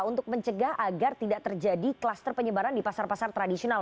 untuk mencegah agar tidak terjadi kluster penyebaran di pasar pasar tradisional